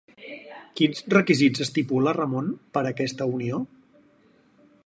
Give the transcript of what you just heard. Quins requisits estipula Ramon per a aquesta unió?